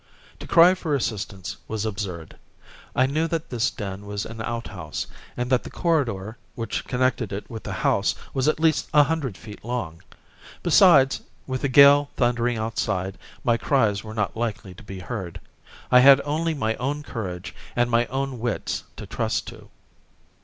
To cry for assistance was absurd. I knew that this den was an outhouse, and that the corridor which connected it with the house was at least a hundred feet long. Besides, with the gale thundering outside, my cries were not likely to be heard. I had only my own courage and my own wits to trust to.